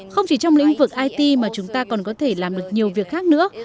không chỉ trong lĩnh vực it mà chúng ta còn có thể làm được nhiều việc khác nữa